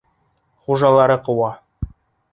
Хужалары ҡыуа.